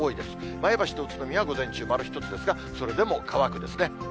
前橋と宇都宮は午前中丸１つですが、それでも乾くですね。